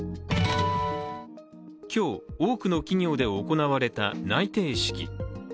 今日、多くの企業で行われた内定式。